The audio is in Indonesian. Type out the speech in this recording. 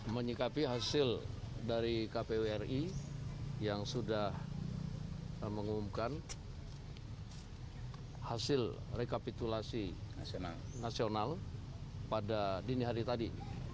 menyikapi hasil dari kpwri yang sudah mengumumkan hasil rekapitulasi nasional pada dini hari tadi